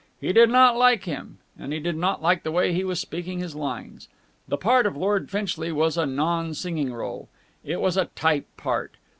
He did not like him, and he did not like the way he was speaking his lines. The part of Lord Finchley was a non singing rôle. It was a type part.